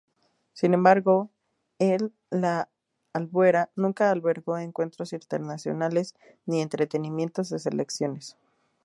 Sin embargo, el La Albuera nunca albergó encuentros internacionales ni entrenamientos de selecciones.